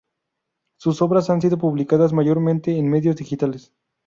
Sus obras han sido publicadas mayormente en medios digitales.